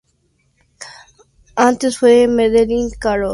Antes fue Madeleine Carroll.